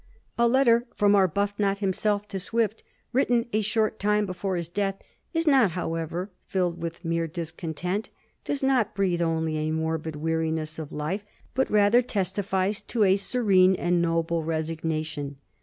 A letter from Arbuthnot him self to Swift, written a short time before his death, is not, however, filled with mere discontent, does not breathe only a morbid weariness of life, but rather testifies to a serene and noble resignation.